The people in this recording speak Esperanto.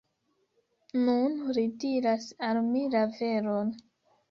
Nun li diras al mi la veron.